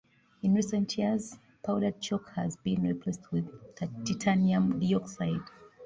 In recent years, powdered chalk has been replaced with titanium dioxide.